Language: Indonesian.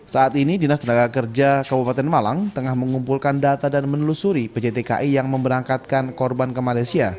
saat ini dinas tenaga kerja kabupaten malang tengah mengumpulkan data dan menelusuri pjtki yang memberangkatkan korban ke malaysia